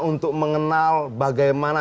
untuk mengenal bagaimana